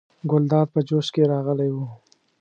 ګلداد په جوش کې راغلی و.